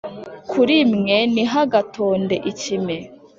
Kuri mwe ntihagatonde ikime